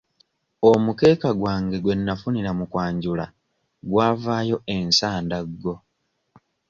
Omukeeka gwange gwe nafunira mu kwanjula gwavaayo ensandaggo.